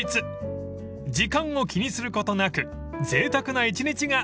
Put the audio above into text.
［時間を気にすることなくぜいたくな１日が楽しめます］